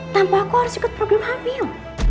tanpa kau harus ikut program hamil